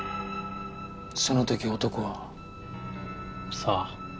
その時男は？さあ？